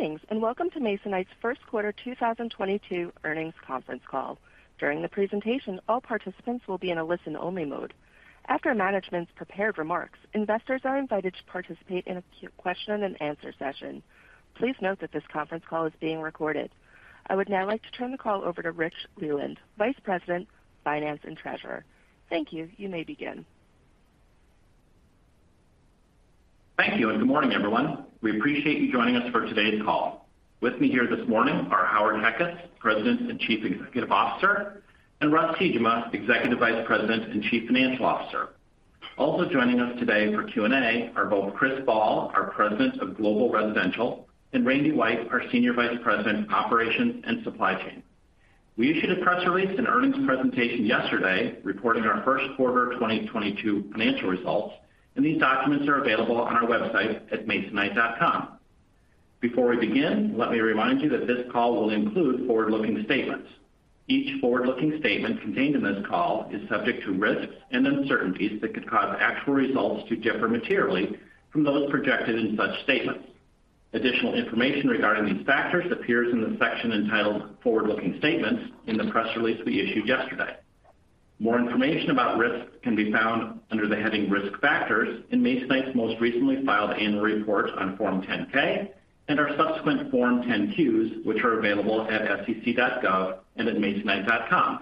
Greetings, and welcome to Masonite's first quarter 2022 earnings conference call. During the presentation, all participants will be in a listen-only mode. After management's prepared remarks, investors are invited to participate in a question and answer session. Please note that this conference call is being recorded. I would now like to turn the call over to Rich Leland, Vice President, Finance and Treasurer. Thank you. You may begin. Thank you, and good morning, everyone. We appreciate you joining us for today's call. With me here this morning are Howard Heckes, President and Chief Executive Officer, and Russ Tiejema, Executive Vice President and Chief Financial Officer. Also joining us today for Q&A are both Chris Ball, our President of Global Residential, and Randy White, our Senior Vice President, Operations and Supply Chain. We issued a press release and earnings presentation yesterday reporting our first quarter 2022 financial results, and these documents are available on our website at masonite.com. Before we begin, let me remind you that this call will include forward-looking statements. Each forward-looking statement contained in this call is subject to risks and uncertainties that could cause actual results to differ materially from those projected in such statements. Additional information regarding these factors appears in the section entitled Forward-Looking Statements in the press release we issued yesterday. More information about risks can be found under the heading Risk Factors in Masonite's most recently filed annual report on Form 10-K and our subsequent Form 10-Q, which are available at sec.gov and at masonite.com.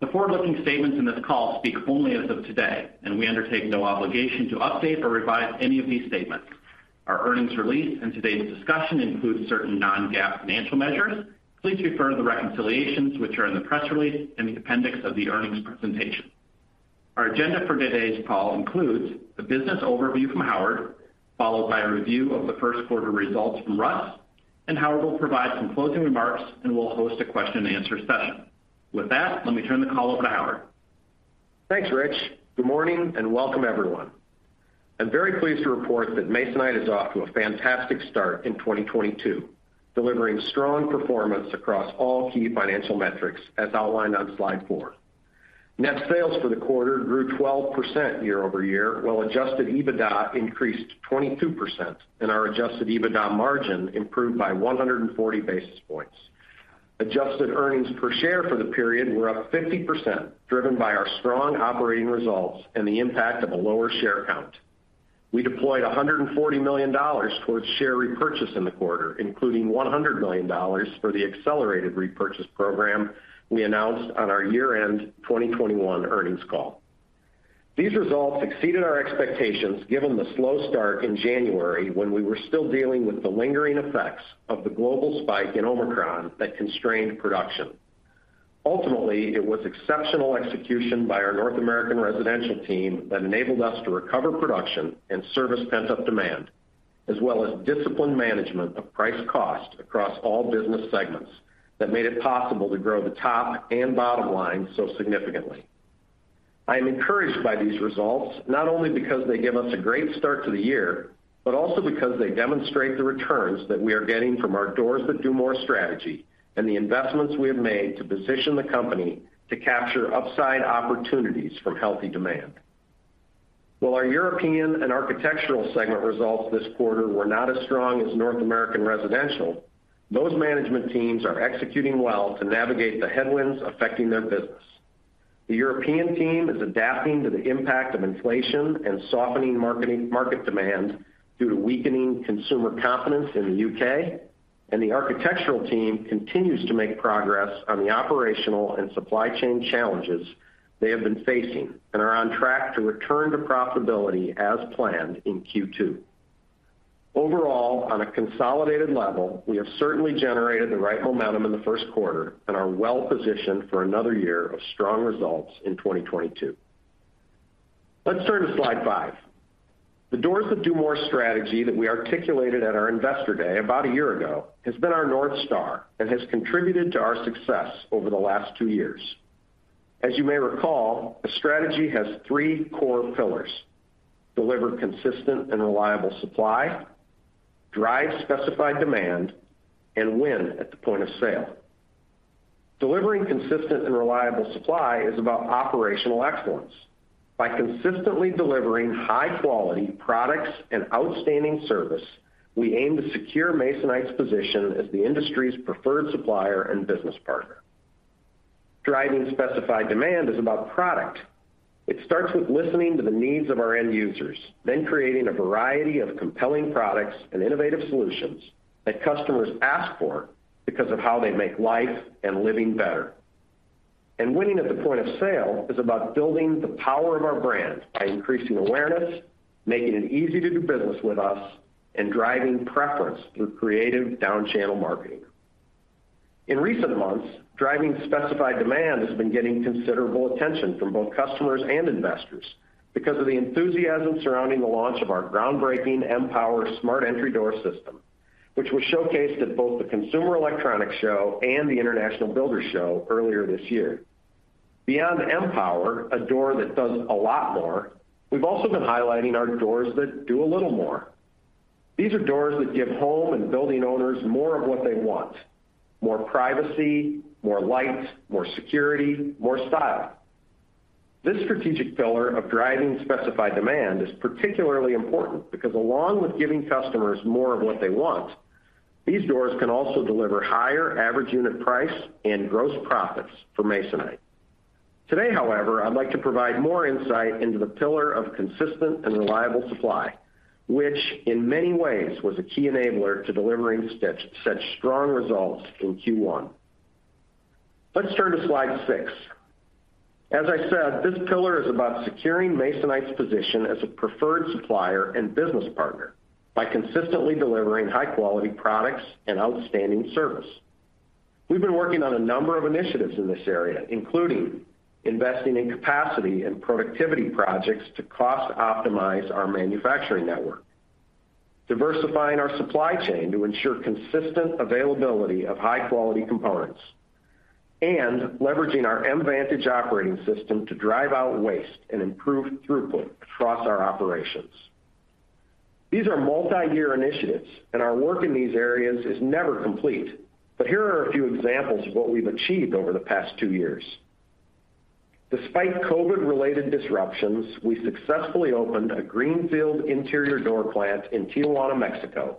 The forward-looking statements in this call speak only as of today, and we undertake no obligation to update or revise any of these statements. Our earnings release and today's discussion includes certain non-GAAP financial measures. Please refer to the reconciliations which are in the press release and the appendix of the earnings presentation. Our agenda for today's call includes a business overview from Howard, followed by a review of the first quarter results from Russ, and Howard will provide some closing remarks and will host a question and answer session. With that, let me turn the call over to Howard. Thanks, Rich. Good morning, and welcome everyone. I'm very pleased to report that Masonite is off to a fantastic start in 2022, delivering strong performance across all key financial metrics as outlined on slide four. Net sales for the quarter grew 12% year-over-year, while adjusted EBITDA increased 22% and our adjusted EBITDA margin improved by 140 basis points. Adjusted earnings per share for the period were up 50%, driven by our strong operating results and the impact of a lower share count. We deployed $140 million towards share repurchase in the quarter, including $100 million for the accelerated repurchase program we announced on our year-end 2021 earnings call. These results exceeded our expectations given the slow start in January when we were still dealing with the lingering effects of the global spike in Omicron that constrained production. Ultimately, it was exceptional execution by our North American Residential team that enabled us to recover production and service pent-up demand, as well as disciplined management of price-cost across all business segments that made it possible to grow the top and bottom line so significantly. I am encouraged by these results, not only because they give us a great start to the year, but also because they demonstrate the returns that we are getting from our Doors That Do More strategy and the investments we have made to position the company to capture upside opportunities from healthy demand. While our European and Architectural segment results this quarter were not as strong as North American Residential, those management teams are executing well to navigate the headwinds affecting their business. The European team is adapting to the impact of inflation and softening market demand due to weakening consumer confidence in the U.K., and the Architectural team continues to make progress on the operational and supply chain challenges they have been facing and are on track to return to profitability as planned in Q2. Overall, on a consolidated level, we have certainly generated the right momentum in the first quarter and are well positioned for another year of strong results in 2022. Let's turn to slide five. The Doors That Do More strategy that we articulated at our Investor Day about a year ago has been our North Star and has contributed to our success over the last two years. As you may recall, the strategy has three core pillars, deliver consistent and reliable supply, drive specified demand, and win at the point of sale. Delivering consistent and reliable supply is about operational excellence. By consistently delivering high-quality products and outstanding service, we aim to secure Masonite's position as the industry's preferred supplier and business partner. Driving specified demand is about product. It starts with listening to the needs of our end users, then creating a variety of compelling products and innovative solutions that customers ask for because of how they make life and living better. Winning at the point of sale is about building the power of our brand by increasing awareness, making it easy to do business with us, and driving preference through creative down channel marketing. In recent months, driving specified demand has been getting considerable attention from both customers and investors because of the enthusiasm surrounding the launch of our groundbreaking M-Pwr smart entry door system, which was showcased at both the Consumer Electronics Show and the International Builders' Show earlier this year. Beyond M-Pwr, a door that does a lot more, we've also been highlighting our doors that do a little more. These are doors that give home and building owners more of what they want: more privacy, more light, more security, more style. This strategic pillar of driving specified demand is particularly important because along with giving customers more of what they want, these doors can also deliver higher average unit price and gross profits for Masonite. Today, however, I'd like to provide more insight into the pillar of consistent and reliable supply, which in many ways was a key enabler to delivering such strong results in Q1. Let's turn to slide six. As I said, this pillar is about securing Masonite's position as a preferred supplier and business partner by consistently delivering high-quality products and outstanding service. We've been working on a number of initiatives in this area, including investing in capacity and productivity projects to cost optimize our manufacturing network, diversifying our supply chain to ensure consistent availability of high-quality components, and leveraging our Mvantage operating system to drive out waste and improve throughput across our operations. These are multiyear initiatives, and our work in these areas is never complete. Here are a few examples of what we've achieved over the past two years. Despite COVID-related disruptions, we successfully opened a greenfield interior door plant in Tijuana, Mexico,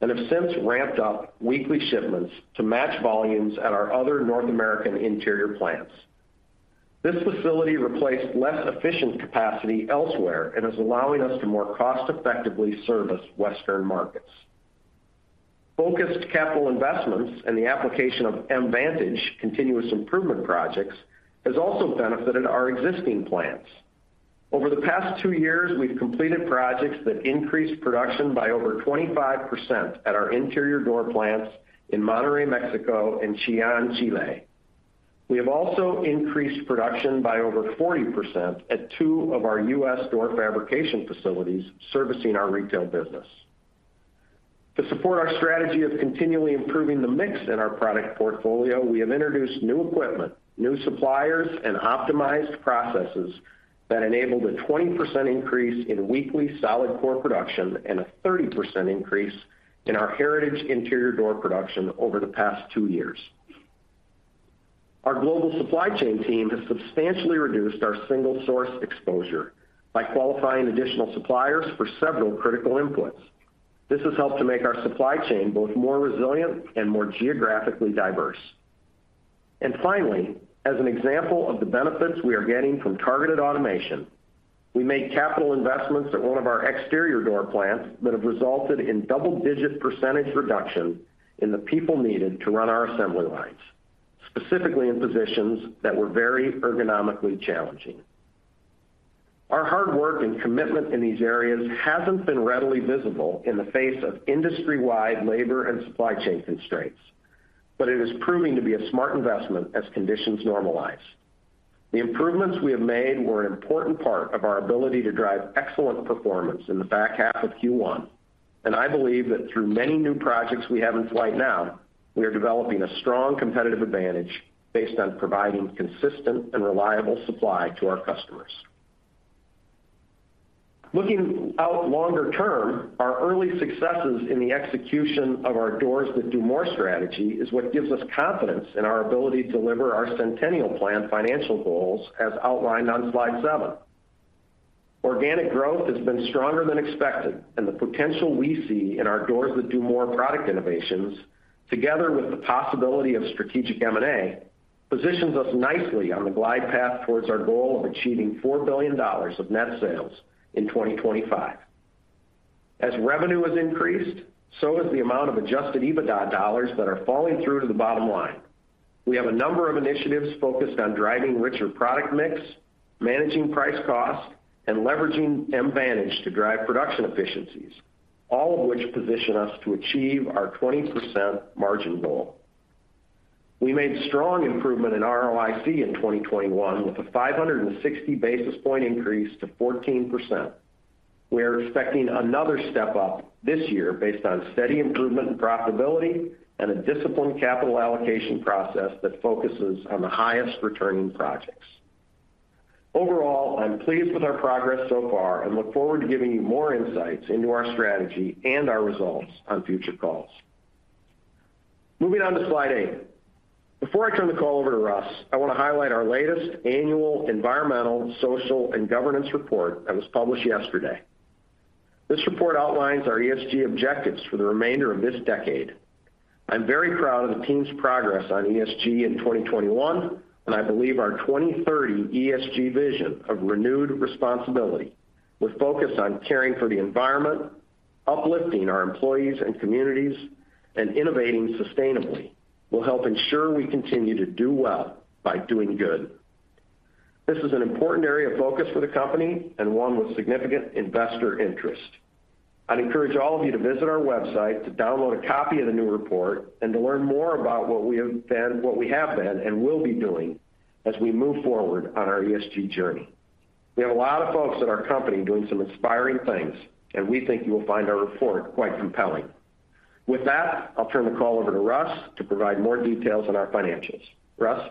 and have since ramped up weekly shipments to match volumes at our other North American interior plants. This facility replaced less efficient capacity elsewhere and is allowing us to more cost-effectively service Western markets. Focused capital investments and the application of Mvantage continuous improvement projects has also benefited our existing plants. Over the past two years, we've completed projects that increased production by over 25% at our interior door plants in Monterrey, Mexico, and Chillán, Chile. We have also increased production by over 40% at two of our U.S. door fabrication facilities servicing our retail business. To support our strategy of continually improving the mix in our product portfolio, we have introduced new equipment, new suppliers, and optimized processes that enabled a 20% increase in weekly solid core production and a 30% increase in our Heritage interior door production over the past two years. Our global supply chain team has substantially reduced our single source exposure by qualifying additional suppliers for several critical inputs. This has helped to make our supply chain both more resilient and more geographically diverse. Finally, as an example of the benefits we are getting from targeted automation, we made capital investments at one of our exterior door plants that have resulted in double-digit percentage reduction in the people needed to run our assembly lines, specifically in positions that were very ergonomically challenging. Our hard work and commitment in these areas hasn't been readily visible in the face of industry-wide labor and supply chain constraints, but it is proving to be a smart investment as conditions normalize. The improvements we have made were an important part of our ability to drive excellent performance in the back half of Q1, and I believe that through many new projects we have in flight now, we are developing a strong competitive advantage based on providing consistent and reliable supply to our customers. Looking out longer term, our early successes in the execution of our Doors That Do More strategy is what gives us confidence in our ability to deliver our Centennial Plan financial goals as outlined on slide seven. Organic growth has been stronger than expected, and the potential we see in our Doors That Do More product innovations, together with the possibility of strategic M&A, positions us nicely on the glide path towards our goal of achieving $4 billion of net sales in 2025. As revenue has increased, so has the amount of adjusted EBITDA dollars that are falling through to the bottom line. We have a number of initiatives focused on driving richer product mix, managing price cost, and leveraging Mvantage to drive production efficiencies, all of which position us to achieve our 20% margin goal. We made strong improvement in ROIC in 2021, with a 560 basis point increase to 14%. We are expecting another step-up this year based on steady improvement in profitability and a disciplined capital allocation process that focuses on the highest returning projects. Overall, I'm pleased with our progress so far and look forward to giving you more insights into our strategy and our results on future calls. Moving on to slide eight. Before I turn the call over to Russ, I want to highlight our latest annual environmental, social, and governance report that was published yesterday. This report outlines our ESG objectives for the remainder of this decade. I'm very proud of the team's progress on ESG in 2021, and I believe our 2030 ESG vision of renewed responsibility, with focus on caring for the environment, uplifting our employees and communities, and innovating sustainably, will help ensure we continue to do well by doing good. This is an important area of focus for the company and one with significant investor interest. I'd encourage all of you to visit our website to download a copy of the new report and to learn more about what we have been and will be doing as we move forward on our ESG journey. We have a lot of folks at our company doing some inspiring things, and we think you will find our report quite compelling. With that, I'll turn the call over to Russ to provide more details on our financials. Russ?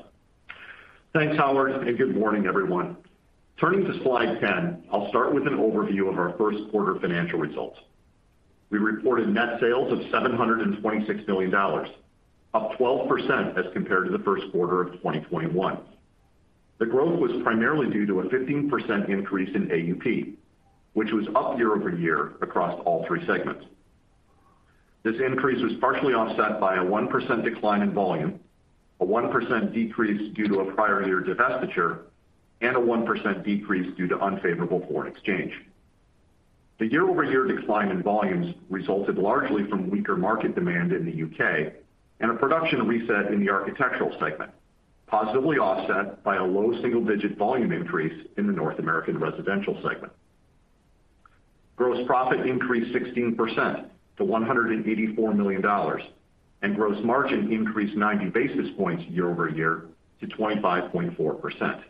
Thanks, Howard, and good morning, everyone. Turning to slide 10, I'll start with an overview of our first quarter financial results. We reported net sales of $726 million, up 12% as compared to the first quarter of 2021. The growth was primarily due to a 15% increase in AUP, which was up year-over-year across all three segments. This increase was partially offset by a 1% decline in volume, a 1% decrease due to a prior year divestiture, and a 1% decrease due to unfavorable foreign exchange. The year-over-year decline in volumes resulted largely from weaker market demand in the UK and a production reset in the Architectural segment, positively offset by a low single-digit volume increase in the North American residential segment. Gross profit increased 16% to $184 million, and gross margin increased 90 basis points year-over-year to 25.4%.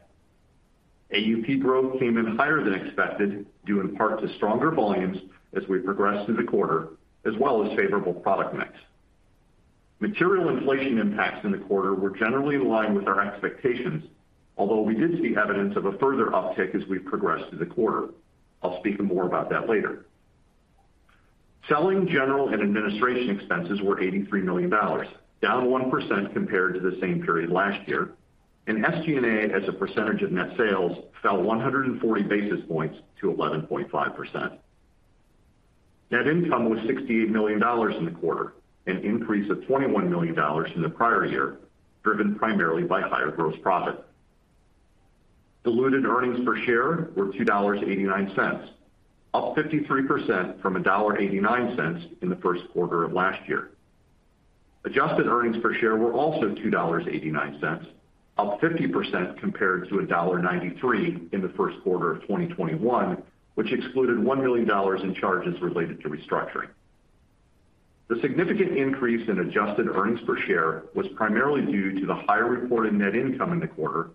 AUP growth came in higher than expected, due in part to stronger volumes as we progressed through the quarter, as well as favorable product mix. Material inflation impacts in the quarter were generally in line with our expectations, although we did see evidence of a further uptick as we progressed through the quarter. I'll speak more about that later. Selling, general, and administration expenses were $83 million, down 1% compared to the same period last year, and SG&A, as a percentage of net sales, fell 140 basis points to 11.5%. Net income was $68 million in the quarter, an increase of $21 million from the prior year, driven primarily by higher gross profit. Diluted earnings per share were $2.89, up 53% from $1.89 in the first quarter of last year. Adjusted earnings per share were also $2.89, up 50% compared to $1.93 in the first quarter of 2021, which excluded $1 million in charges related to restructuring. The significant increase in adjusted earnings per share was primarily due to the higher reported net income in the quarter,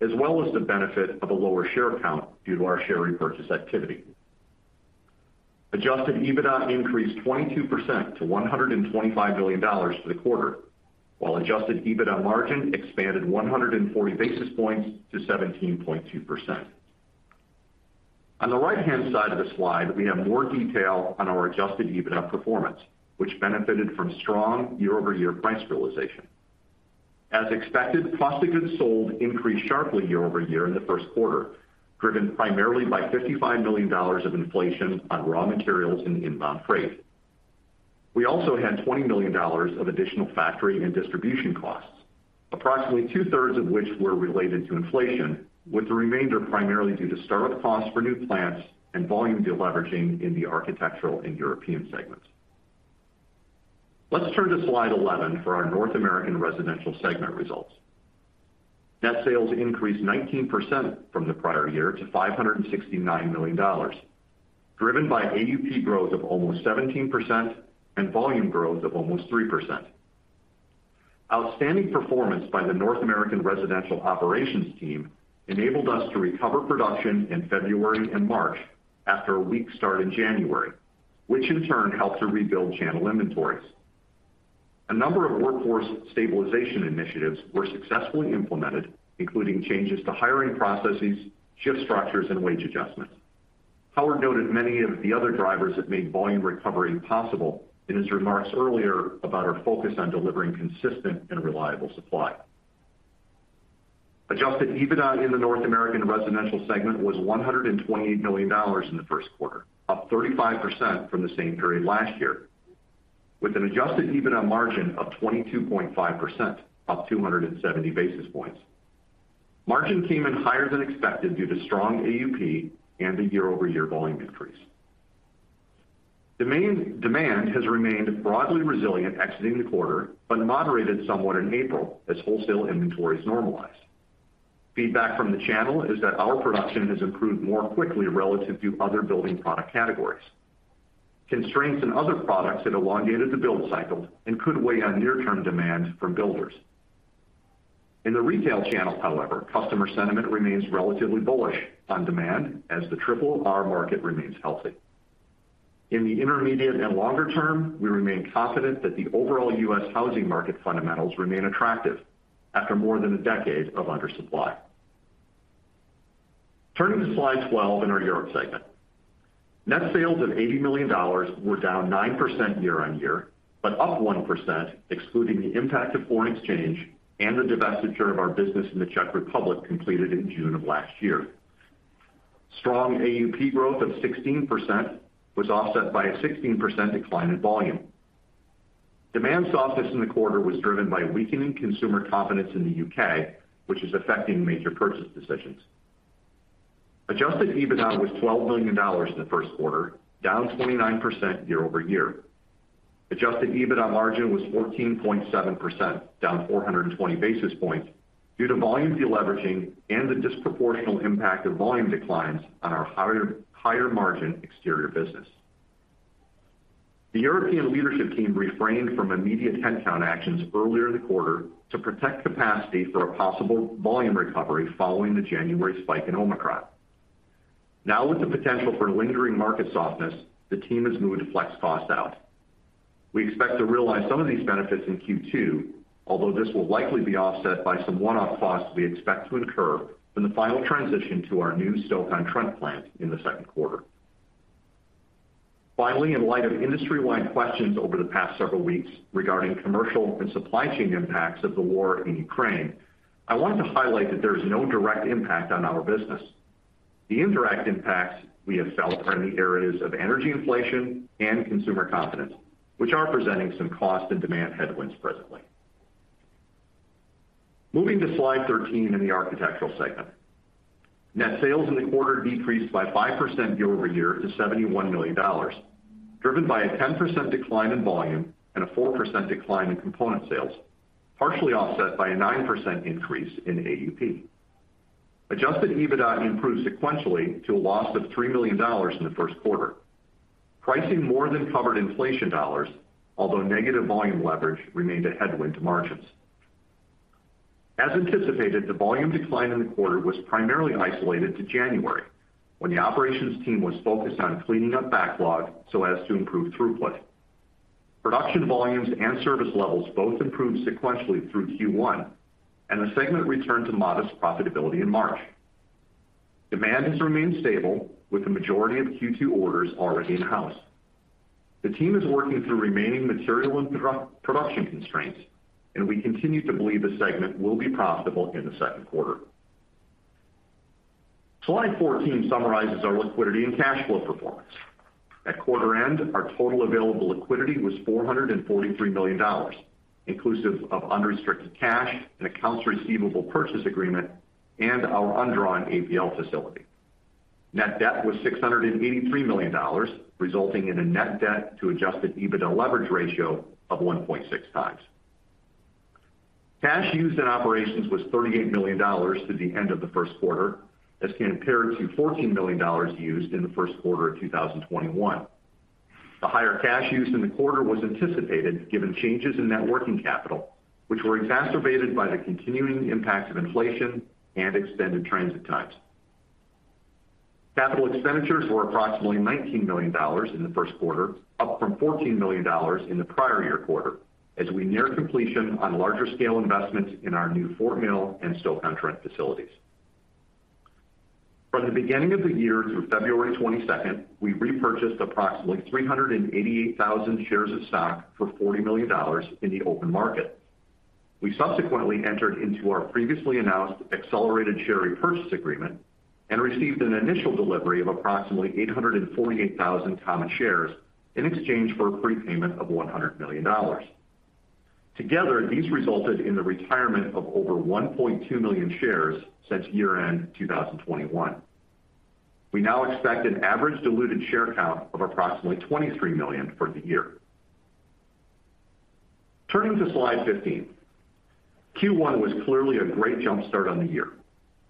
as well as the benefit of a lower share count due to our share repurchase activity. Adjusted EBITDA increased 22% to $125 million for the quarter, while adjusted EBITDA margin expanded 140 basis points to 17.2%. On the right-hand side of the slide, we have more detail on our adjusted EBITDA performance, which benefited from strong year-over-year price realization. As expected, cost of goods sold increased sharply year-over-year in the first quarter, driven primarily by $55 million of inflation on raw materials and inbound freight. We also had $20 million of additional factory and distribution costs, approximately two-thirds of which were related to inflation, with the remainder primarily due to start-up costs for new plants and volume de-leveraging in the Architectural and European segments. Let's turn to slide 11 for our North American residential segment results. Net sales increased 19% from the prior year to $569 million, driven by AUP growth of almost 17% and volume growth of almost 3%. Outstanding performance by the North American residential operations team enabled us to recover production in February and March after a weak start in January, which in turn helped to rebuild channel inventories. A number of workforce stabilization initiatives were successfully implemented, including changes to hiring processes, shift structures, and wage adjustments. Howard noted many of the other drivers that made volume recovery possible in his remarks earlier about our focus on delivering consistent and reliable supply. Adjusted EBITDA in the North American residential segment was $128 million in the first quarter, up 35% from the same period last year, with an adjusted EBITDA margin of 22.5%, up 270 basis points. Margin came in higher than expected due to strong AUP and the year-over-year volume increase. Demand has remained broadly resilient exiting the quarter, but moderated somewhat in April as wholesale inventories normalize. Feedback from the channel is that our production has improved more quickly relative to other building product categories. Constraints in other products have elongated the build cycle and could weigh on near-term demand from builders. In the retail channel, however, customer sentiment remains relatively bullish on demand as the RRR market remains healthy. In the intermediate and longer term, we remain confident that the overall U.S. housing market fundamentals remain attractive after more than a decade of undersupply. Turning to slide 12 in our Europe segment. Net sales of $80 million were down 9% year-over-year, but up 1% excluding the impact of foreign exchange and the divestiture of our business in the Czech Republic completed in June of last year. Strong AUP growth of 16% was offset by a 16% decline in volume. Demand softness in the quarter was driven by weakening consumer confidence in the U.K., which is affecting major purchase decisions. Adjusted EBITDA was $12 million in the first quarter, down 29% year-over-year. Adjusted EBITDA margin was 14.7%, down 420 basis points due to volume deleveraging and the disproportional impact of volume declines on our higher margin exterior business. The European leadership team refrained from immediate headcount actions earlier in the quarter to protect capacity for a possible volume recovery following the January spike in Omicron. Now, with the potential for lingering market softness, the team has moved flex costs out. We expect to realize some of these benefits in Q2, although this will likely be offset by some one-off costs we expect to incur from the final transition to our new Stoke-on-Trent plant in the second quarter. Finally, in light of industry-wide questions over the past several weeks regarding commercial and supply chain impacts of the war in Ukraine, I wanted to highlight that there is no direct impact on our business. The indirect impacts we have felt are in the areas of energy inflation and consumer confidence, which are presenting some cost and demand headwinds presently. Moving to slide 13 in the Architectural segment. Net sales in the quarter decreased by 5% year-over-year to $71 million, driven by a 10% decline in volume and a 4% decline in component sales, partially offset by a 9% increase in AUP. Adjusted EBITDA improved sequentially to a loss of $3 million in the first quarter. Pricing more than covered inflation dollars, although negative volume leverage remained a headwind to margins. As anticipated, the volume decline in the quarter was primarily isolated to January, when the operations team was focused on cleaning up backlog so as to improve throughput. Production volumes and service levels both improved sequentially through Q1, and the segment returned to modest profitability in March. Demand has remained stable with the majority of Q2 orders already in-house. The team is working through remaining material and production constraints, and we continue to believe the segment will be profitable in the second quarter. Slide 14 summarizes our liquidity and cash flow performance. At quarter end, our total available liquidity was $443 million, inclusive of unrestricted cash and accounts receivable purchase agreement and our undrawn ABL facility. Net debt was $683 million, resulting in a net debt to adjusted EBITDA leverage ratio of 1.6x. Cash used in operations was $38 million through the end of the first quarter, as compared to $14 million used in the first quarter of 2021. The higher cash used in the quarter was anticipated given changes in net working capital, which were exacerbated by the continuing impacts of inflation and extended transit times. Capital expenditures were approximately $19 million in the first quarter, up from $14 million in the prior year quarter as we near completion on larger scale investments in our new Fort Mill and Stoke-on-Trent facilities. From the beginning of the year through February 22nd, we repurchased approximately 388,000 shares of stock for $40 million in the open market. We subsequently entered into our previously announced accelerated share repurchase agreement and received an initial delivery of approximately 848,000 common shares in exchange for a prepayment of $100 million. Together, these resulted in the retirement of over 1.2 million shares since year-end 2021. We now expect an average diluted share count of approximately 23 million for the year. Turning to slide 15. Q1 was clearly a great jump-start on the year.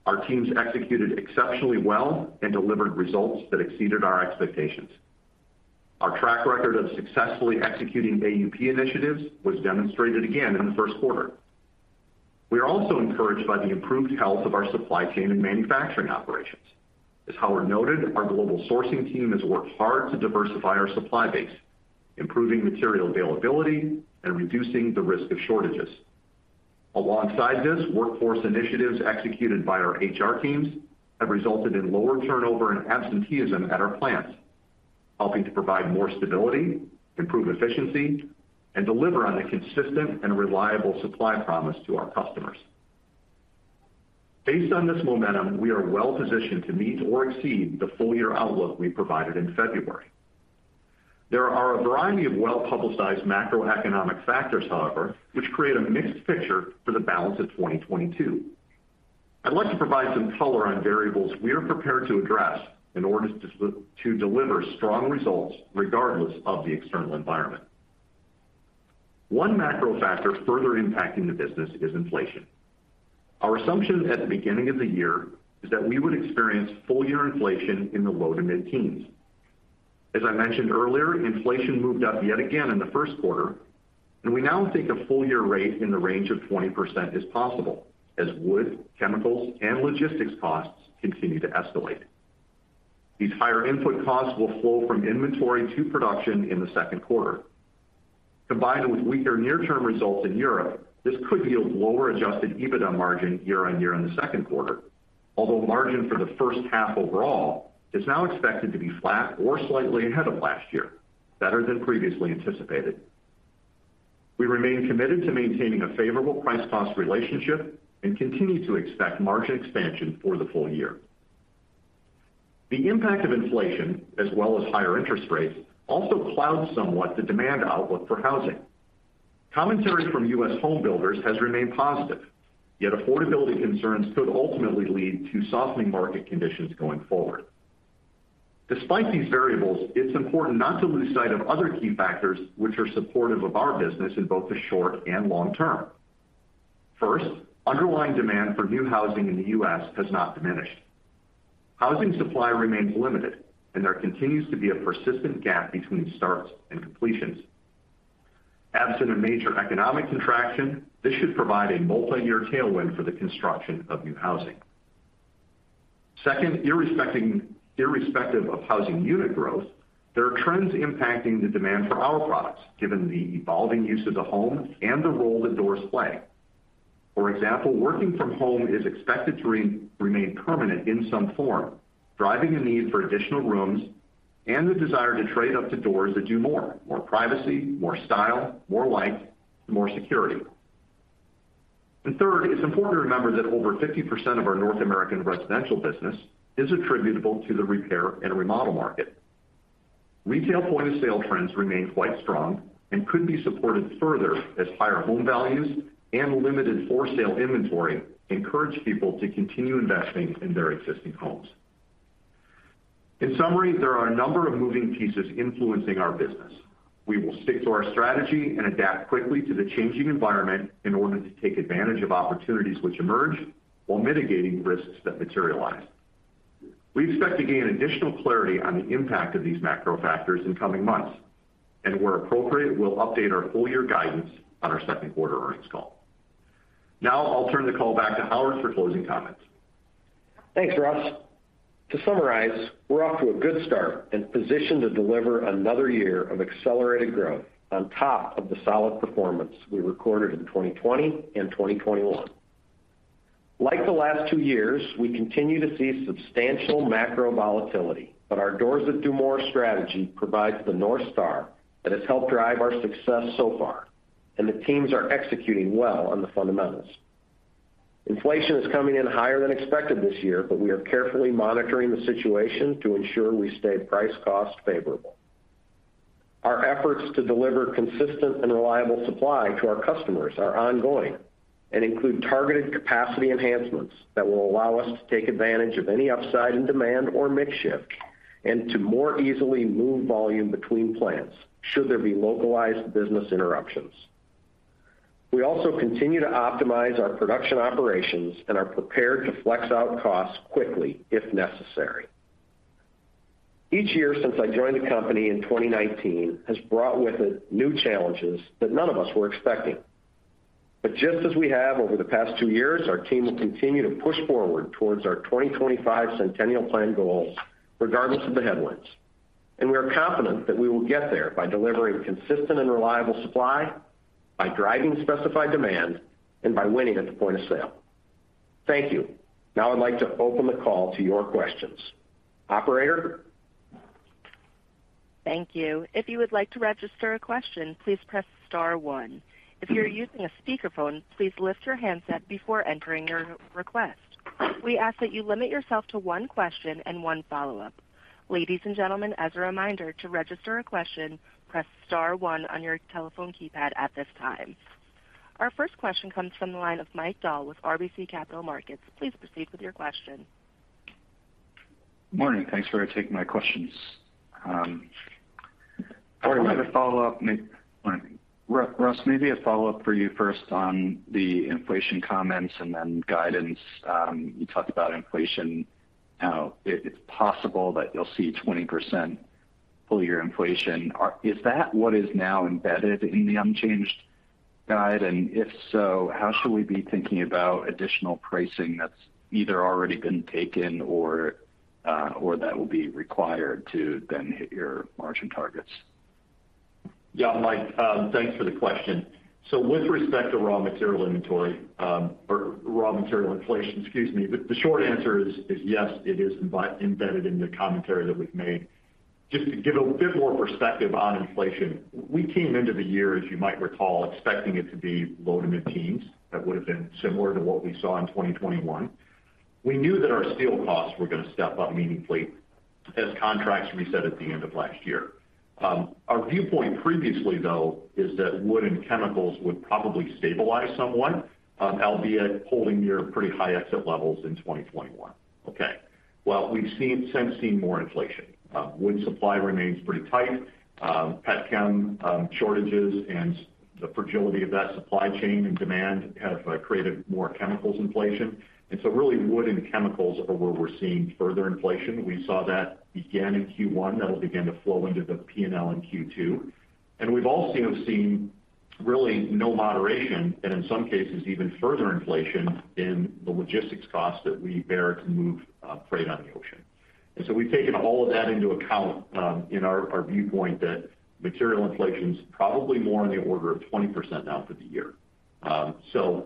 Our teams executed exceptionally well and delivered results that exceeded our expectations. Our track record of successfully executing AUP initiatives was demonstrated again in the first quarter. We are also encouraged by the improved health of our supply chain and manufacturing operations. As Howard noted, our global sourcing team has worked hard to diversify our supply base, improving material availability and reducing the risk of shortages. Workforce initiatives executed by our HR teams have resulted in lower turnover and absenteeism at our plants, helping to provide more stability, improve efficiency, and deliver on a consistent and reliable supply promise to our customers. Based on this momentum, we are well positioned to meet or exceed the full year outlook we provided in February. There are a variety of well-publicized macroeconomic factors, however, which create a mixed picture for the balance of 2022. I'd like to provide some color on variables we are prepared to address in order to deliver strong results regardless of the external environment. One macro factor further impacting the business is inflation. Our assumption at the beginning of the year is that we would experience full year inflation in the low to mid-teens. As I mentioned earlier, inflation moved up yet again in the first quarter, and we now think a full year rate in the range of 20% is possible as wood, chemicals, and logistics costs continue to escalate. These higher input costs will flow from inventory to production in the second quarter. Combined with weaker near-term results in Europe, this could yield lower adjusted EBITDA margin year-on-year in the second quarter. Although margin for the first half overall is now expected to be flat or slightly ahead of last year, better than previously anticipated. We remain committed to maintaining a favorable price-cost relationship and continue to expect margin expansion for the full year. The impact of inflation, as well as higher interest rates, also clouds somewhat the demand outlook for housing. Commentaries from U.S. home builders has remained positive, yet affordability concerns could ultimately lead to softening market conditions going forward. Despite these variables, it's important not to lose sight of other key factors which are supportive of our business in both the short and long term. First, underlying demand for new housing in the U.S. has not diminished. Housing supply remains limited, and there continues to be a persistent gap between starts and completions. Absent a major economic contraction, this should provide a multiyear tailwind for the construction of new housing. Second, irrespective of housing unit growth, there are trends impacting the demand for our products given the evolving use of the home and the role that doors play. For example, working from home is expected to remain permanent in some form, driving the need for additional rooms and the desire to trade up to Doors That Do More. More privacy, more style, more light, more security. Third, it's important to remember that over 50% of our North American residential business is attributable to the repair and remodel market. Retail point-of-sale trends remain quite strong and could be supported further as higher home values and limited for-sale inventory encourage people to continue investing in their existing homes. In summary, there are a number of moving pieces influencing our business. We will stick to our strategy and adapt quickly to the changing environment in order to take advantage of opportunities which emerge while mitigating risks that materialize. We expect to gain additional clarity on the impact of these macro factors in coming months, and where appropriate, we'll update our full-year guidance on our second quarter earnings call. Now I'll turn the call back to Howard for closing comments. Thanks, Russ. To summarize, we're off to a good start and positioned to deliver another year of accelerated growth on top of the solid performance we recorded in 2020 and 2021. Like the last two years, we continue to see substantial macro volatility, but our Doors That Do More strategy provides the North Star that has helped drive our success so far, and the teams are executing well on the fundamentals. Inflation is coming in higher than expected this year, but we are carefully monitoring the situation to ensure we stay price-cost favorable. Our efforts to deliver consistent and reliable supply to our customers are ongoing and include targeted capacity enhancements that will allow us to take advantage of any upside in demand or mix shift and to more easily move volume between plants should there be localized business interruptions. We also continue to optimize our production operations and are prepared to flex out costs quickly if necessary. Each year since I joined the company in 2019 has brought with it new challenges that none of us were expecting. Just as we have over the past two years, our team will continue to push forward towards our 2025 Centennial Plan goals regardless of the headwinds. We are confident that we will get there by delivering consistent and reliable supply, by driving specified demand, and by winning at the point of sale. Thank you. Now I'd like to open the call to your questions. Operator. Thank you. If you would like to register a question, please press star one. If you're using a speakerphone, please lift your handset before entering your request. We ask that you limit yourself to one question and one follow-up. Ladies and gentlemen, as a reminder, to register a question, press star one on your telephone keypad at this time. Our first question comes from the line of Mike Dahl with RBC Capital Markets. Please proceed with your question. Morning. Thanks for taking my questions. Morning. I have a follow-up. Morning. Russ, maybe a follow-up for you first on the inflation comments and then guidance. You talked about inflation, it's possible that you'll see 20% full year inflation. Is that what is now embedded in the unchanged guidance? If so, how should we be thinking about additional pricing that's either already been taken or that will be required to then hit your margin targets? Yeah, Mike, thanks for the question. With respect to raw material inventory, or raw material inflation, excuse me, the short answer is yes, it is embedded in the commentary that we've made. Just to give a bit more perspective on inflation, we came into the year, as you might recall, expecting it to be low- to mid-teens. That would have been similar to what we saw in 2021. We knew that our steel costs were gonna step up meaningfully as contracts reset at the end of last year. Our viewpoint previously, though, is that wood and chemicals would probably stabilize somewhat, albeit holding near pretty high exit levels in 2021. Okay. Well, we've since seen more inflation. Wood supply remains pretty tight. Shortages and the fragility of that supply chain and demand have created more chemicals inflation. Really, wood and chemicals are where we're seeing further inflation. We saw that begin in Q1. That'll begin to flow into the P&L in Q2. We've also seen really no moderation and in some cases even further inflation in the logistics costs that we bear to move freight on the ocean. We've taken all of that into account in our viewpoint that material inflation is probably more on the order of 20% now for the year.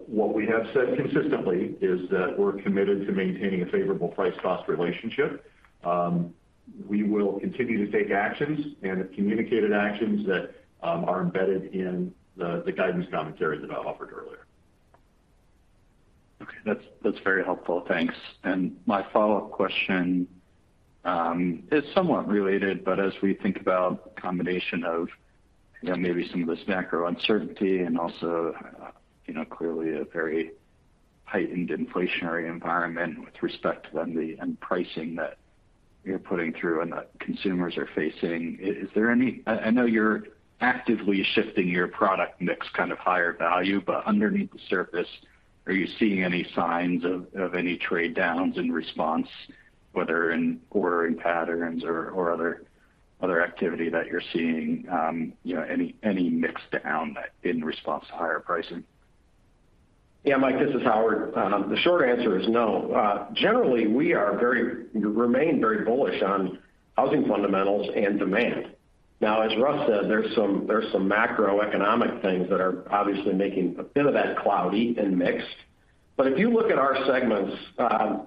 What we have said consistently is that we're committed to maintaining a favorable price-cost relationship. We will continue to take actions and have communicated actions that are embedded in the guidance commentary that I offered earlier. Okay. That's very helpful. Thanks. My follow-up question is somewhat related, but as we think about the combination of, you know, maybe some of this macro uncertainty and also, you know, clearly a very heightened inflationary environment with respect to the end pricing that you're putting through and that consumers are facing. Is there any? I know you're actively shifting your product mix kind of higher value, but underneath the surface, are you seeing any signs of any trade downs in response, whether in ordering patterns or other activity that you're seeing, you know, any mix down that in response to higher pricing? Yeah, Mike, this is Howard. The short answer is no. Generally, we remain very bullish on housing fundamentals and demand. Now, as Russ said, there's some macroeconomic things that are obviously making a bit of that cloudy and mixed. If you look at our segments,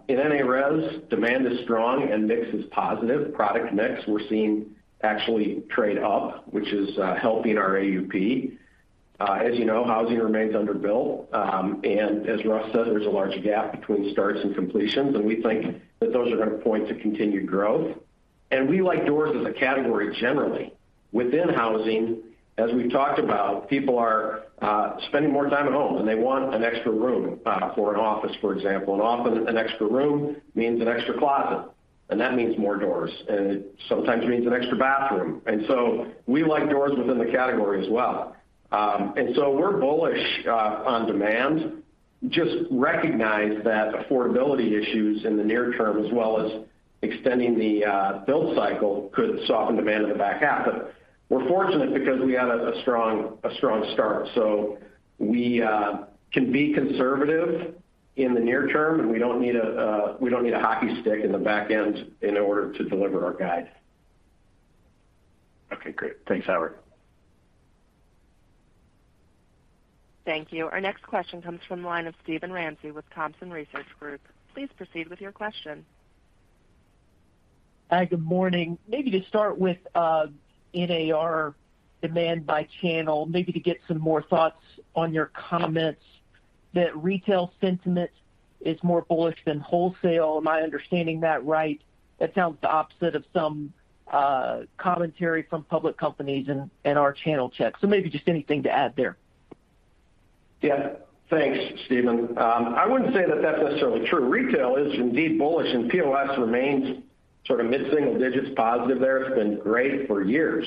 in NA Res, demand is strong and mix is positive. Product mix we're seeing actually trade up, which is helping our AUP. As you know, housing remains under built. As Russ said, there's a large gap between starts and completions, and we think that those are going to point to continued growth. We like doors as a category generally. Within housing, as we've talked about, people are spending more time at home, and they want an extra room for an office, for example. Often an extra room means an extra closet, and that means more doors, and it sometimes means an extra bathroom. We like doors within the category as well. We're bullish on demand. Just recognize that affordability issues in the near term, as well as extending the build cycle could soften demand in the back half. We're fortunate because we had a strong start. We can be conservative in the near term, and we don't need a hockey stick in the back end in order to deliver our guide. Okay, great. Thanks, Howard. Thank you. Our next question comes from the line of Steven Ramsey with Thompson Research Group. Please proceed with your question. Hi, good morning. Maybe to start with, NAR demand by channel, maybe to get some more thoughts on your comments that retail sentiment is more bullish than wholesale. Am I understanding that right? That sounds the opposite of some commentary from public companies and our channel checks. Maybe just anything to add there. Yeah. Thanks, Steven. I wouldn't say that that's necessarily true. Retail is indeed bullish, and POS remains sort of mid-single digits positive there. It's been great for years.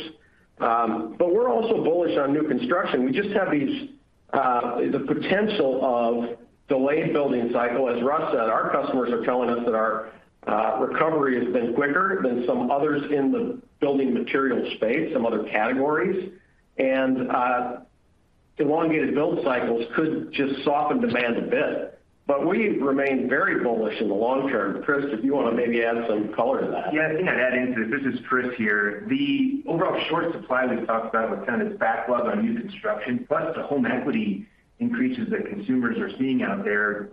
We're also bullish on new construction. We just have these, the potential of delayed building cycle. As Russ said, our customers are telling us that our recovery has been quicker than some others in the building material space, some other categories. Elongated build cycles could just soften demand a bit. We remain very bullish in the long term. Chris, if you wanna maybe add some color to that. Yeah, I think I'd add into this. This is Chris here. The overall short supply we've talked about with kind of this backlog on new construction, plus the home equity increases that consumers are seeing out there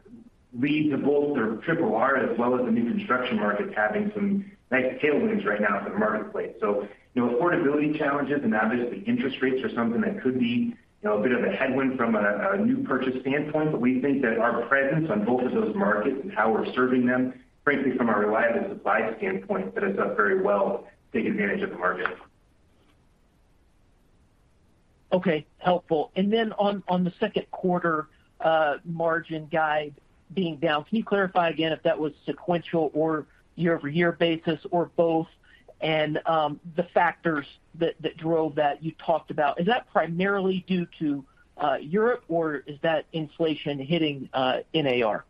lead to both the triple R as well as the new construction markets having some nice tailwinds right now in the marketplace. You know, affordability challenges and obviously interest rates are something that could be, you know, a bit of a headwind from a new purchase standpoint. We think that our presence on both of those markets and how we're serving them, frankly, from a reliable supply standpoint, set us up very well to take advantage of the market. Okay. Helpful. Then on the second quarter margin guide being down, can you clarify again if that was sequential or year-over-year basis or both? The factors that drove that you talked about, is that primarily due to Europe, or is that inflation hitting NAR?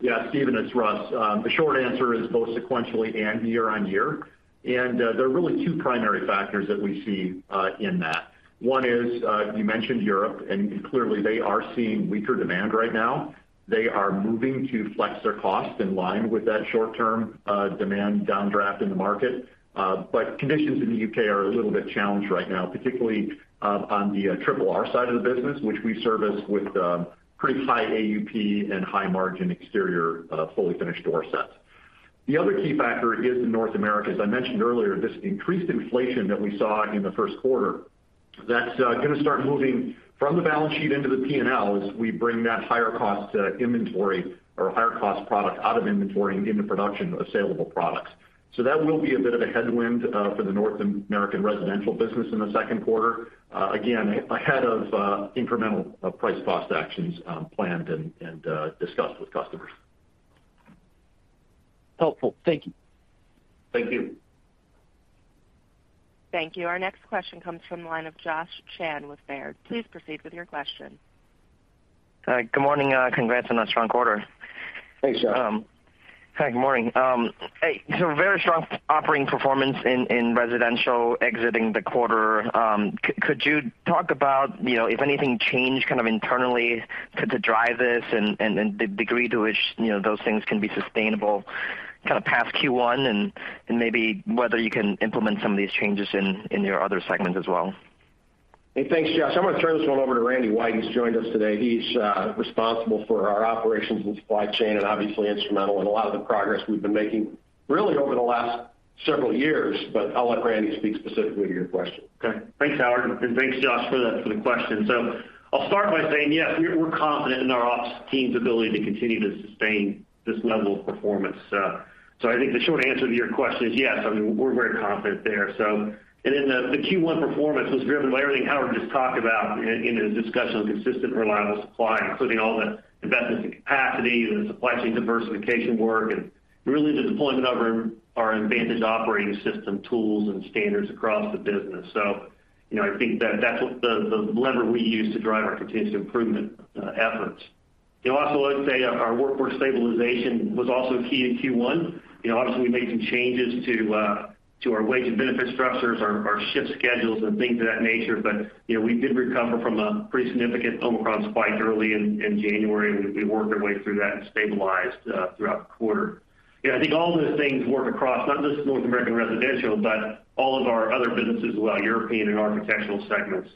Yeah. Steven, it's Russ. The short answer is both sequentially and year-on-year. There are really two primary factors that we see in that. One is, you mentioned Europe, and clearly they are seeing weaker demand right now. They are moving to flex their costs in line with that short-term demand downdraft in the market. Conditions in the U.K. are a little bit challenged right now, particularly on the triple R side of the business, which we service with pretty high AUP and high-margin exterior fully finished door sets. The other key factor is in North America. As I mentioned earlier, this increased inflation that we saw in the first quarter, that's gonna start moving from the balance sheet into the P&L as we bring that higher cost inventory or higher cost product out of inventory and into production of saleable products. That will be a bit of a headwind for the North American residential business in the second quarter, again, ahead of incremental price cost actions planned and discussed with customers. Helpful. Thank you. Thank you. Thank you. Our next question comes from the line of Josh Chan with Baird. Please proceed with your question. Hi. Good morning. Congrats on that strong quarter. Thanks, Josh. Hi. Good morning. Hey, very strong operating performance in residential exiting the quarter. Could you talk about, you know, if anything changed kind of internally to drive this and the degree to which, you know, those things can be sustainable kind of past Q1 and maybe whether you can implement some of these changes in your other segments as well? Hey, thanks, Josh. I'm gonna turn this one over to Randy White, who's joined us today. He's responsible for our operations and supply chain and obviously instrumental in a lot of the progress we've been making really over the last several years, but I'll let Randy speak specifically to your question. Okay. Thanks, Howard, and thanks Josh for the question. I'll start by saying, yes, we're confident in our ops team's ability to continue to sustain this level of performance. I think the short answer to your question is yes. I mean, we're very confident there. The Q1 performance was driven by everything Howard just talked about in his discussion on consistent reliable supply, including all the investments in capacity and the supply chain diversification work, and really the deployment of our Mvantage operating system tools and standards across the business. You know, I think that's the lever we use to drive our continuous improvement efforts. You know, also I would say our workforce stabilization was also key in Q1. You know, obviously, we made some changes to our wage and benefit structures, our shift schedules and things of that nature. You know, we did recover from a pretty significant Omicron spike early in January. We worked our way through that and stabilized throughout the quarter. You know, I think all those things work across not just North American Residential, but all of our other businesses as well, European and Architectural segments.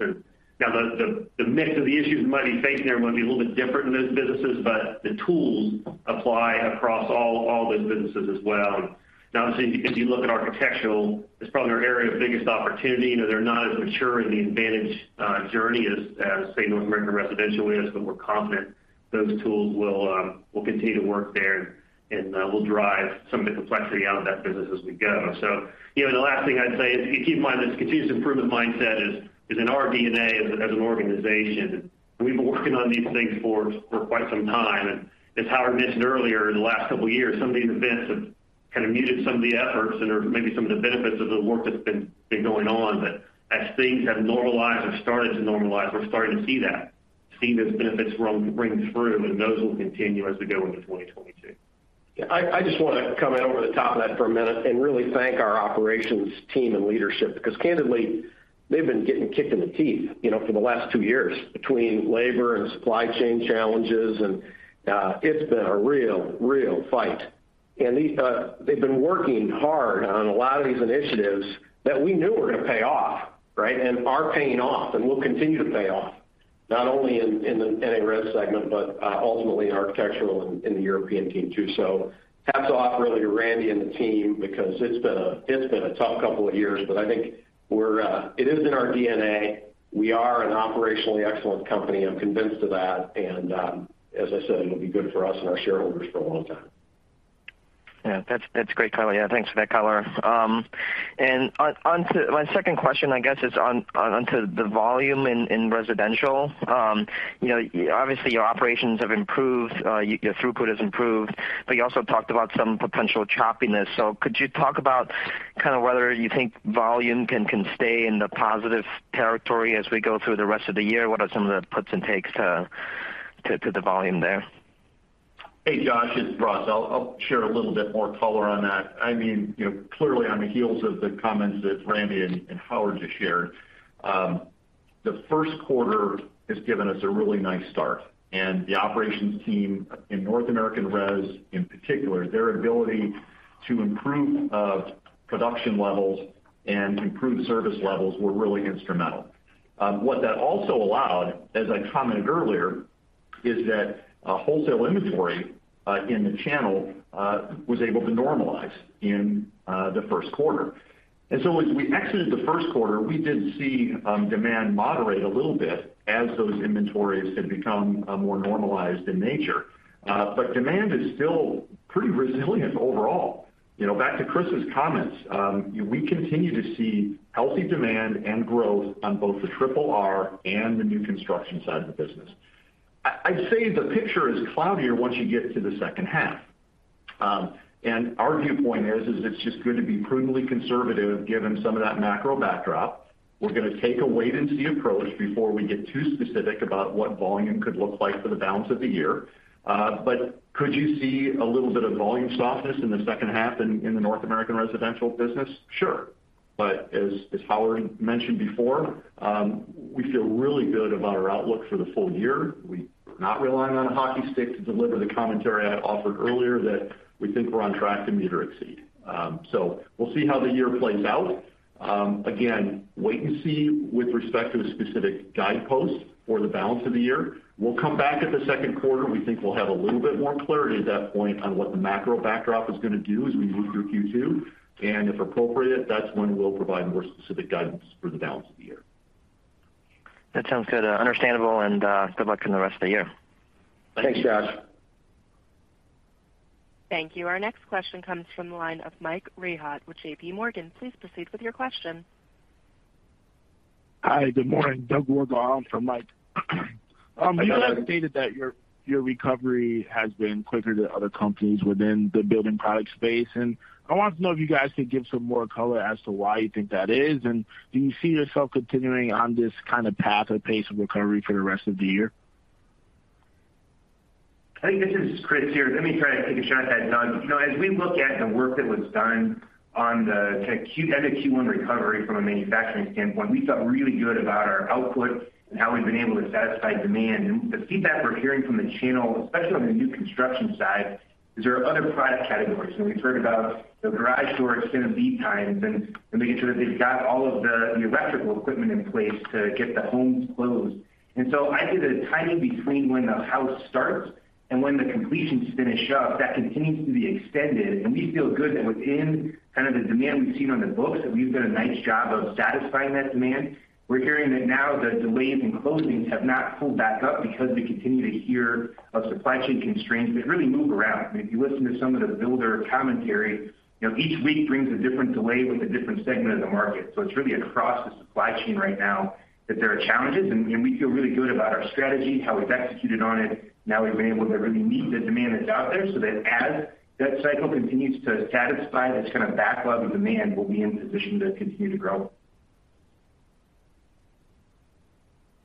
Now the mix of the issues we might be facing there are gonna be a little bit different in those businesses, but the tools apply across all those businesses as well. Now, obviously, if you look at Architectural, it's probably our area of biggest opportunity. You know, they're not as mature in the Mvantage journey as say North American Residential is, but we're confident those tools will continue to work there and will drive some of the complexity out of that business as we go. You know, the last thing I'd say is if you keep in mind this continuous improvement mindset is in our DNA as an organization. We've been working on these things for quite some time. As Howard mentioned earlier, in the last couple of years, some of these events have kind of muted some of the efforts and/or maybe some of the benefits of the work that's been going on. As things have normalized or started to normalize, we're starting to see those benefits bring through, and those will continue as we go into 2022. Yeah, I just wanna come in over the top of that for a minute and really thank our operations team and leadership. Because candidly, they've been getting kicked in the teeth, you know, for the last two years between labor and supply chain challenges, and it's been a real fight. These, they've been working hard on a lot of these initiatives that we knew were gonna pay off, right? Are paying off and will continue to pay off, not only in the NA Res segment, but ultimately in Architectural and in the European team, too. Hats off really to Randy and the team because it's been a tough couple of years. I think it is in our DNA. We are an operationally excellent company. I'm convinced of that. As I said, it'll be good for us and our shareholders for a long time. Yeah. That's great color. Yeah, thanks for that color. My second question, I guess, is on the volume in Residential. You know, obviously, your operations have improved, your throughput has improved, but you also talked about some potential choppiness. Could you talk about kind of whether you think volume can stay in the positive territory as we go through the rest of the year? What are some of the puts and takes to the volume there? Hey, Josh, it's Russ. I'll share a little bit more color on that. I mean, you know, clearly on the heels of the comments that Randy and Howard just shared, the first quarter has given us a really nice start. The operations team in North American Res in particular, their ability to improve production levels and improve service levels were really instrumental. What that also allowed, as I commented earlier, is that wholesale inventory in the channel was able to normalize in the first quarter. As we exited the first quarter, we did see demand moderate a little bit as those inventories have become more normalized in nature. Demand is still pretty resilient overall. You know, back to Chris's comments, we continue to see healthy demand and growth on both the triple R and the new construction side of the business. I'd say the picture is cloudier once you get to the second half. Our viewpoint is it's just good to be prudently conservative given some of that macro backdrop. We're gonna take a wait-and-see approach before we get too specific about what volume could look like for the balance of the year. Could you see a little bit of volume softness in the second half in the North American Residential business? Sure. As Howard mentioned before, we feel really good about our outlook for the full year. We're not relying on a hockey stick to deliver the commentary I offered earlier that we think we're on track to meet or exceed. We'll see how the year plays out. Again, wait and see with respect to the specific guideposts for the balance of the year. We'll come back at the second quarter. We think we'll have a little bit more clarity at that point on what the macro backdrop is gonna do as we move through Q2. If appropriate, that's when we'll provide more specific guidance for the balance of the year. That sounds good. Understandable, and good luck in the rest of the year. Thanks, Josh. Thank you. Our next question comes from the line of Mike Rehaut with J.P. Morgan. Please proceed with your question. Hi, good morning. [Doug Morgan] on for Mike. You guys have stated that your recovery has been quicker than other companies within the building product space, and I wanted to know if you guys could give some more color as to why you think that is. Do you see yourself continuing on this kind of path or pace of recovery for the rest of the year? I think this is Chris here. Let me try to take a shot at that, [Doug]. You know, as we look at the work that was done at the Q1 recovery from a manufacturing standpoint, we felt really good about our output and how we've been able to satisfy demand. The feedback we're hearing from the channel, especially on the new construction side, is that there are other product categories. You know, we've heard about the garage door extended lead times and making sure that they've got all of the electrical equipment in place to get the homes closed. I think the timing between when the house starts and when the completion's finished up, that continues to be extended. We feel good that within kind of the demand we've seen on the books, that we've done a nice job of satisfying that demand. We're hearing that now the delays in closings have not pulled back up because we continue to hear of supply chain constraints that really move around. I mean, if you listen to some of the builder commentary, you know, each week brings a different delay with a different segment of the market. It's really across the supply chain right now that there are challenges. We feel really good about our strategy, how we've executed on it. Now we've been able to really meet the demand that's out there so that as that cycle continues to satisfy this kind of backlog of demand, we'll be in position to continue to grow.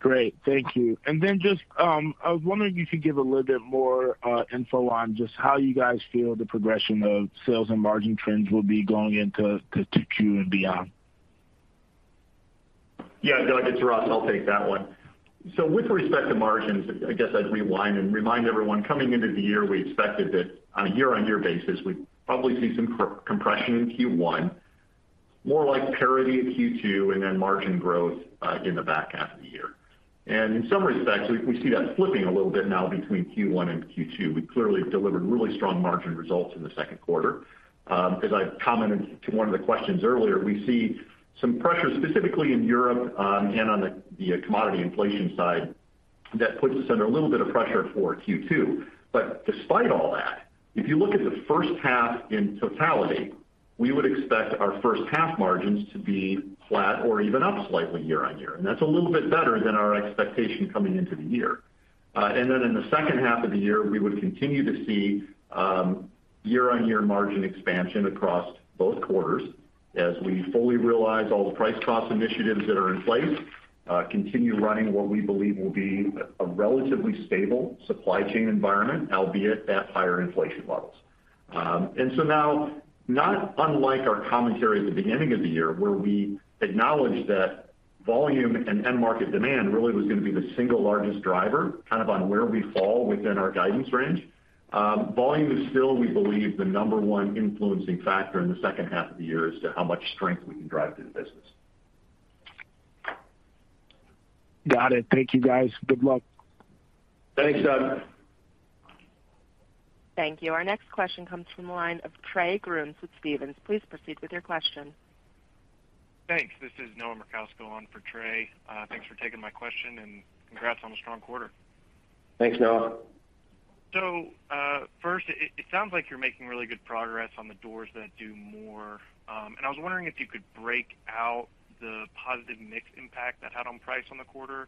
Great. Thank you. Just, I was wondering if you could give a little bit more info on just how you guys feel the progression of sales and margin trends will be going into Q and beyond. Yeah, [Doug], it's Russ. I'll take that one. So with respect to margins, I guess I'd rewind and remind everyone coming into the year, we expected that on a year-on-year basis, we'd probably see some compression in Q1, more like parity in Q2, and then margin growth in the back half of the year. In some respects, we see that flipping a little bit now between Q1 and Q2. We clearly have delivered really strong margin results in the second quarter. As I commented to one of the questions earlier, we see some pressure specifically in Europe, and on the commodity inflation side that puts us under a little bit of pressure for Q2. Despite all that, if you look at the first half in totality, we would expect our first half margins to be flat or even up slightly year-on-year. That's a little bit better than our expectation coming into the year. In the second half of the year, we would continue to see year-on-year margin expansion across both quarters as we fully realize all the price cost initiatives that are in place, continue running what we believe will be a relatively stable supply chain environment, albeit at higher inflation levels. Not unlike our commentary at the beginning of the year where we acknowledged that volume and end market demand really was gonna be the single largest driver kind of on where we fall within our guidance range, volume is still, we believe, the number one influencing factor in the second half of the year as to how much strength we can drive through the business. Got it. Thank you, guys. Good luck. Thanks, [Doug]. Thank you. Our next question comes from the line of Trey Grooms with Stephens. Please proceed with your question. Thanks. This is Noah Merkousko on for Trey. Thanks for taking my question, and congrats on a strong quarter. Thanks, Noah. First, it sounds like you're making really good progress on the Doors That Do More. I was wondering if you could break out the positive mix impact that had on price in the quarter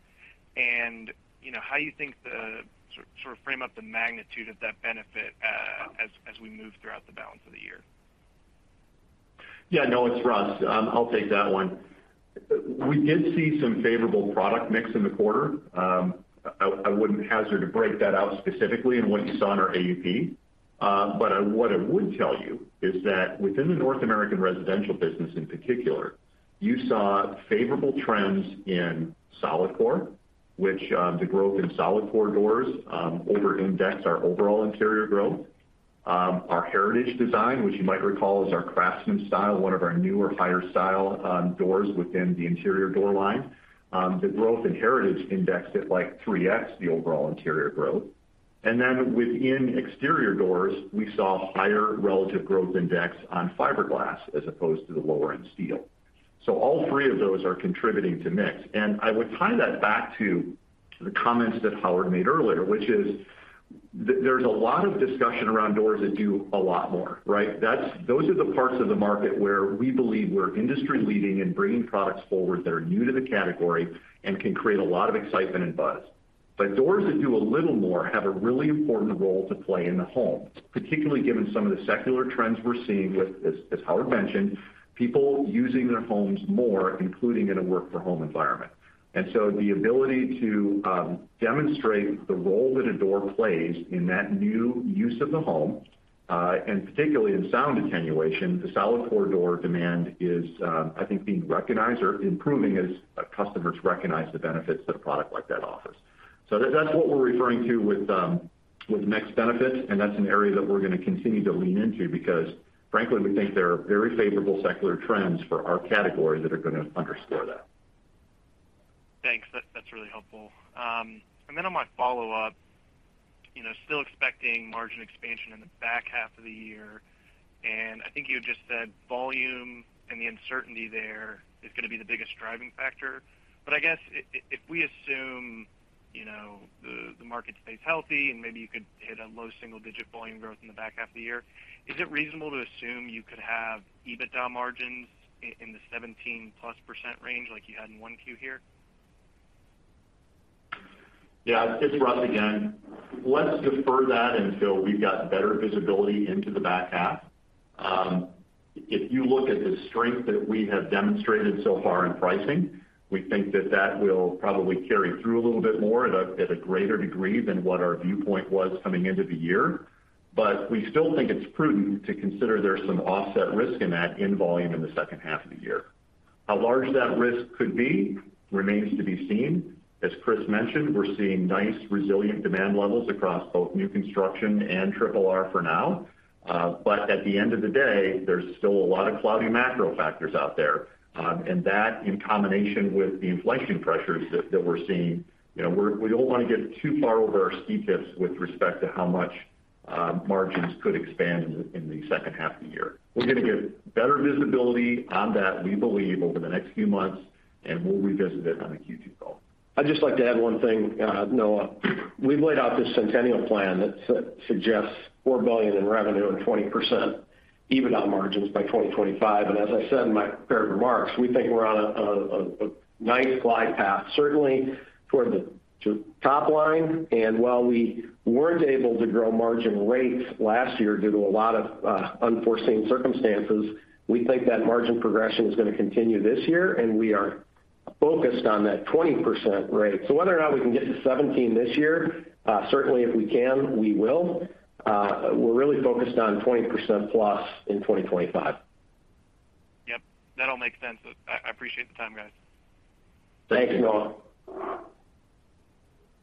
and, you know, how you think to sort of frame up the magnitude of that benefit, as we move throughout the balance of the year. Yeah, Noah, it's Russ. I'll take that one. We did see some favorable product mix in the quarter. I wouldn't hazard to break that out specifically in what you saw in our AUP. What I would tell you is that within the North American residential business in particular, you saw favorable trends in solid core, which the growth in solid core doors over-index our overall interior growth. Our Heritage design, which you might recall is our craftsman style, one of our newer higher style doors within the interior door line. The growth in Heritage indexed at, like, 3x the overall interior growth. Then within exterior doors, we saw higher relative growth index on fiberglass as opposed to the lower-end steel. All three of those are contributing to mix. I would tie that back to the comments that Howard made earlier, which is, there's a lot of discussion around Doors That Do More, right? Those are the parts of the market where we believe we're industry-leading in bringing products forward that are new to the category and can create a lot of excitement and buzz. doors that do a little more have a really important role to play in the home, particularly given some of the secular trends we're seeing with, as Howard mentioned, people using their homes more, including in a work from home environment. The ability to demonstrate the role that a door plays in that new use of the home, and particularly in sound attenuation, the solid core door demand is, I think being recognized or improving as, customers recognize the benefits that a product like that offers. That's what we're referring to with mix benefits, and that's an area that we're gonna continue to lean into because frankly, we think there are very favorable secular trends for our category that are gonna underscore that. Thanks. That's really helpful. On my follow-up, you know, still expecting margin expansion in the back half of the year, and I think you had just said volume and the uncertainty there is gonna be the biggest driving factor. I guess if we assume, you know, the market stays healthy and maybe you could hit a low single digit volume growth in the back half of the year, is it reasonable to assume you could have EBITDA margins in the 17%+ range like you had in 1Q here? Yeah. It's Russ again. Let's defer that until we've got better visibility into the back half. If you look at the strength that we have demonstrated so far in pricing, we think that will probably carry through a little bit more at a greater degree than what our viewpoint was coming into the year. We still think it's prudent to consider there's some offset risk in volume in the second half of the year. How large that risk could be remains to be seen. As Chris mentioned, we're seeing nice resilient demand levels across both new construction and triple R for now. At the end of the day, there's still a lot of cloudy macro factors out there. That in combination with the inflation pressures that we're seeing, you know, we don't wanna get too far over our skis with respect to how much margins could expand in the second half of the year. We're gonna get better visibility on that, we believe, over the next few months, and we'll revisit it on the Q2 call. I'd just like to add one thing, Noah. We've laid out this Centennial Plan that suggests $4 billion in revenue and 20% EBITDA margins by 2025. As I said in my prepared remarks, we think we're on a nice glide path, certainly toward the top line. While we weren't able to grow margin rates last year due to a lot of unforeseen circumstances, we think that margin progression is gonna continue this year, and we are focused on that 20% rate. Whether or not we can get to 17% this year, certainly if we can, we will. We're really focused on 20%+ in 2025. Yep. That all makes sense. I appreciate the time, guys. Thanks, Noah.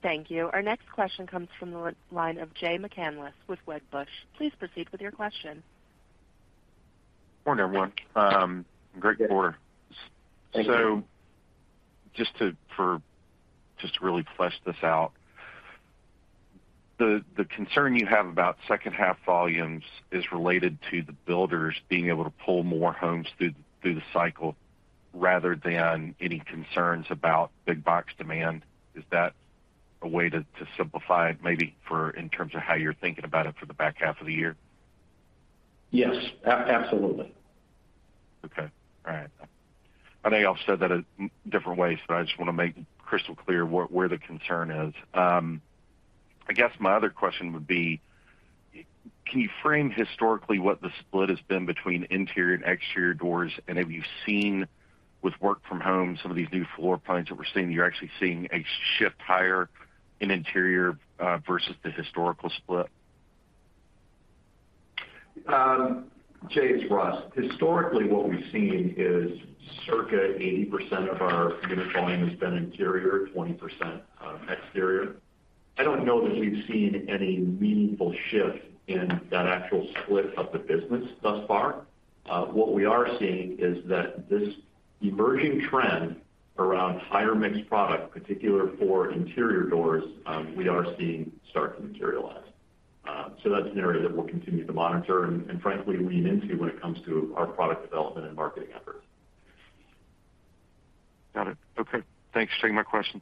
Thank you. Our next question comes from the line of Jay McCanless with Wedbush. Please proceed with your question. Morning, everyone. Great quarter. Thank you. Just to really flesh this out, the concern you have about second half volumes is related to the builders being able to pull more homes through the cycle rather than any concerns about big box demand. Is that a way to simplify maybe for in terms of how you're thinking about it for the back half of the year? Yes. Absolutely. Okay. All right. I know y'all said that different ways, but I just wanna make crystal clear where the concern is. I guess my other question would be, can you frame historically what the split has been between interior and exterior doors? Have you seen with work from home some of these new floor plans that we're seeing, you're actually seeing a shift higher in interior versus the historical split? Jay, it's Russ. Historically, what we've seen is circa 80% of our unit volume has been interior, 20% exterior. I don't know that we've seen any meaningful shift in that actual split of the business thus far. What we are seeing is that this emerging trend around higher-mix product, particularly for interior doors, we are seeing start to materialize. So that's an area that we'll continue to monitor and frankly lean into when it comes to our product development and marketing efforts. Got it. Okay. Thanks for taking my question.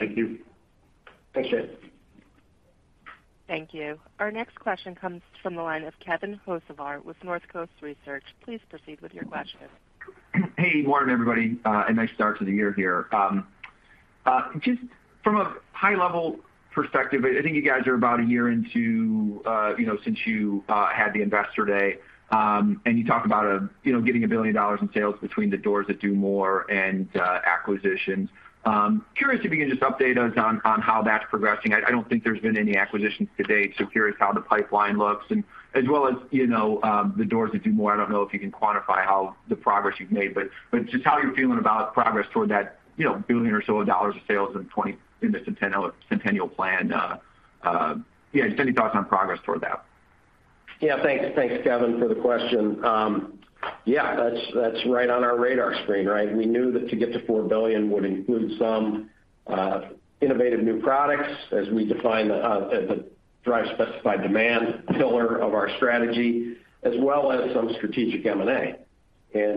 Thank you. Thanks, Jay. Thank you. Our next question comes from the line of Kevin Hocevar with Northcoast Research. Please proceed with your question. Hey, morning, everybody. A nice start to the year here. Just from a high level perspective, I think you guys are about a year into, you know, since you had the investor day, and you talk about, you know, getting $1 billion in sales between the Doors That Do More and acquisitions. Curious if you can just update us on how that's progressing. I don't think there's been any acquisitions to date, so curious how the pipeline looks and as well as, you know, the Doors That Do More. I don't know if you can quantify how the progress you've made, but just how you're feeling about progress toward that, you know, $1 billion or so of sales in the Centennial Plan. Yeah, just any thoughts on progress toward that? Yeah. Thanks. Thanks, Kevin, for the question. Yeah, that's right on our radar screen, right? We knew that to get to $4 billion would include some innovative new products as we define the drive specified demand pillar of our strategy as well as some strategic M&A.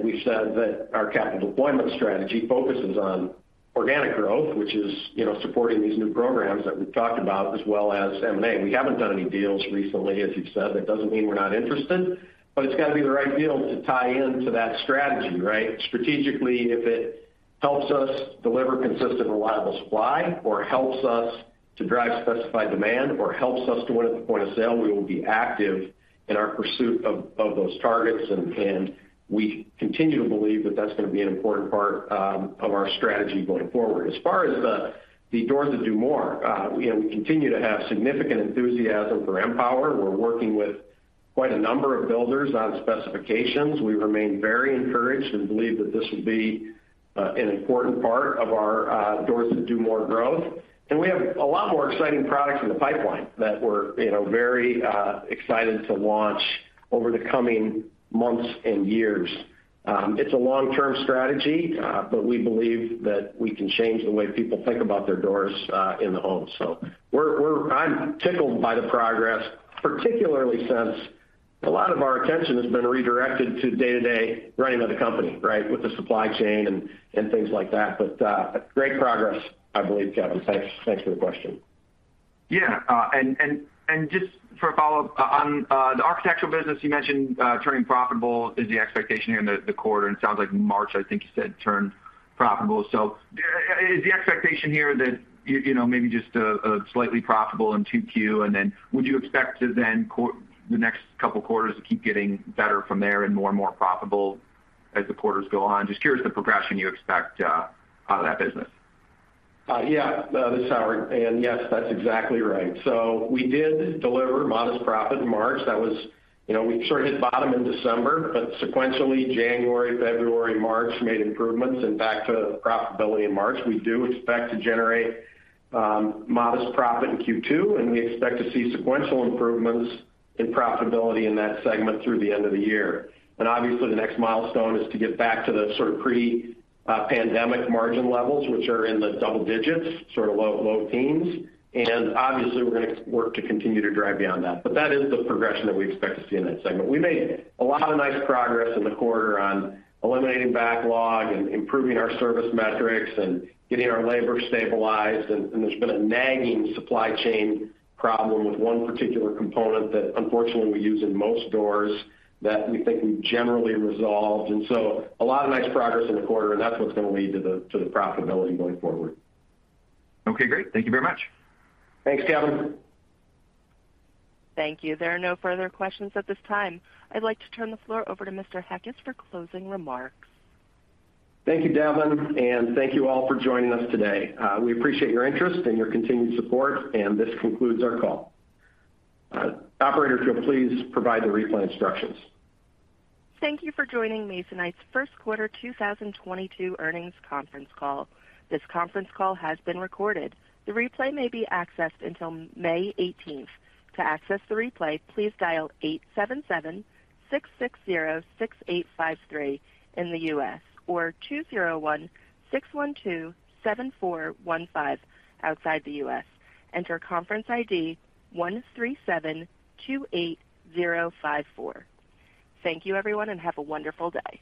We've said that our capital deployment strategy focuses on organic growth, which is, you know, supporting these new programs that we've talked about as well as M&A. We haven't done any deals recently, as you've said. That doesn't mean we're not interested, but it's gotta be the right deal to tie into that strategy, right? Strategically, if it helps us deliver consistent, reliable supply or helps us to drive specified demand or helps us to win at the point of sale, we will be active in our pursuit of those targets. We continue to believe that that's gonna be an important part of our strategy going forward. As far as the Doors That Do More, we continue to have significant enthusiasm for M-Pwr. We're working with quite a number of builders on specifications. We remain very encouraged and believe that this will be an important part of our Doors That Do More growth. We have a lot more exciting products in the pipeline that we're excited to launch over the coming months and years. It's a long-term strategy, but we believe that we can change the way people think about their doors in the home. I'm tickled by the progress, particularly since a lot of our attention has been redirected to day-to-day running of the company, right, with the supply chain and things like that. Great progress, I believe, Kevin. Thanks for the question. Yeah. Just for a follow-up on the architectural business you mentioned turning profitable is the expectation here in the quarter, and sounds like March, I think you said turned profitable. Is the expectation here that you know maybe just slightly profitable in 2Q? And then would you expect to then the next couple quarters to keep getting better from there and more and more profitable as the quarters go on? Just curious the progression you expect out of that business. This is Howard. Yes, that's exactly right. We did deliver modest profit in March. You know, we sort of hit bottom in December, but sequentially January, February, March made improvements and back to profitability in March. We do expect to generate modest profit in Q2, and we expect to see sequential improvements in profitability in that segment through the end of the year. Obviously, the next milestone is to get back to the sort of pre-pandemic margin levels, which are in the double digits, sort of low, low teens. Obviously, we're gonna work to continue to drive beyond that. That is the progression that we expect to see in that segment. We made a lot of nice progress in the quarter on eliminating backlog and improving our service metrics and getting our labor stabilized. There's been a nagging supply chain problem with one particular component that unfortunately we use in most doors that we think we've generally resolved. A lot of nice progress in the quarter, and that's what's gonna lead to the profitability going forward. Okay, great. Thank you very much. Thanks, Kevin. Thank you. There are no further questions at this time. I'd like to turn the floor over to Mr. Heckes for closing remarks. Thank you, Devlin, and thank you all for joining us today. We appreciate your interest and your continued support, and this concludes our call. Operator, if you'll please provide the replay instructions. Thank you for joining Masonite's first quarter 2022 earnings conference call. This conference call has been recorded. The replay may be accessed until May 18th. To access the replay, please dial 877-660-6853 in the U.S. or 201-612-7415 outside the U.S. Enter conference ID 13728054. Thank you, everyone, and have a wonderful day.